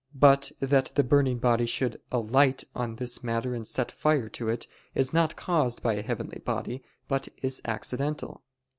But that the burning body should alight on this matter and set fire to it, is not caused by a heavenly body, but is accidental.